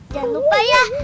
jangan lupa ya